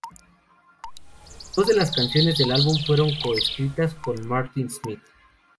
Dos de las canciones del álbum fueron co-escritas con Martin Smith.